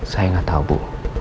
saya gak tahu bu